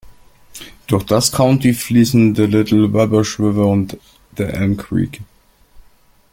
Durch das County fließen der Little Wabash River und der Elm Creek.